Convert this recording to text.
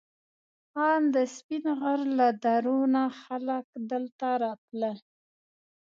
ان د سپین غر له درو نه خلک دلته راتلل.